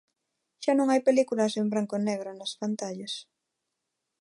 Xa non hai películas en branco e negro nas pantallas.